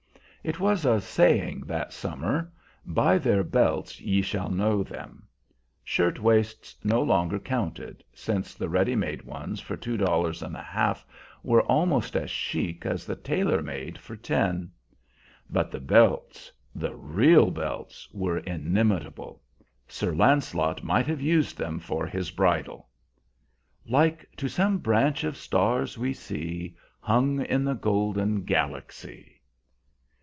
It was a saying that summer, "By their belts ye shall know them." Shirt waists no longer counted, since the ready made ones for two dollars and a half were almost as chic as the tailor made for ten. But the belts, the real belts, were inimitable. Sir Lancelot might have used them for his bridle "Like to some branch of stars we see Hung in the golden galaxy."